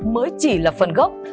mới chỉ là phần gốc